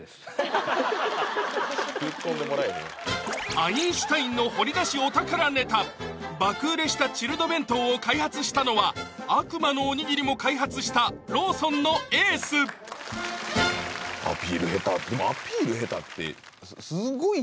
「アインシュタイン」の掘り出しお宝ネタ爆売れしたチルド弁当を開発したのは悪魔のおにぎりも開発したローソンのエースアピール下手